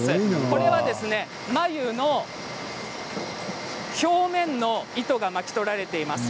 これは繭の表面の糸が巻き取られています。